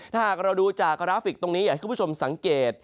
ถ้าหากเราดูจากกราฟิกตรงนี้อยากให้คุณผู้ชมสังเกต